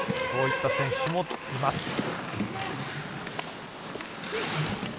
そういった選手もいます。